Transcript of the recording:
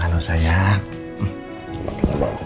waalaikumsalam warahmatullahi wabarakatuh